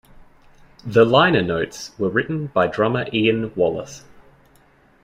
The liner notes were written by drummer Ian Wallace.